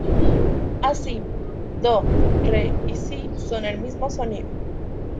Así, "do", "re" y "si" son el mismo sonido.